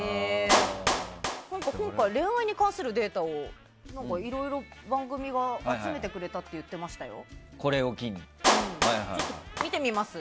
今回、恋愛に関するデータをいろいろ番組が集めてくれたって言ってましたよ。